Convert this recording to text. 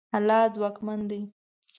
الله ځواکمن دی.